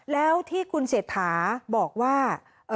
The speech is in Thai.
แล้วที่คุณเศรษฐาบอกว่า